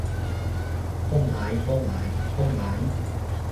With that game's success, Adkison began working full-time for Wizards of the Coast.